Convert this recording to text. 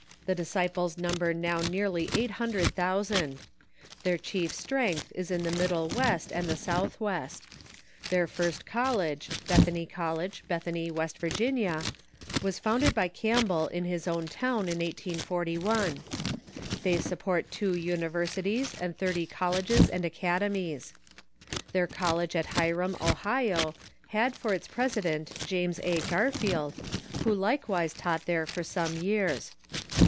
The Disciples number now nearly eight hundred thousand. Their chief strength is in the Middle West and the ^"Sf'chMst" Southwest. Their first college (Bethany College, Bethany, AVest Virginia) was founded by Campbell in his own town in 1841. They support two universities and thirty colleges and academies. Their college at Hiram, Ohio, had for its president James A. Garfield, who likewise taught there for some years.